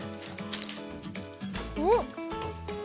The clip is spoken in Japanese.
うん！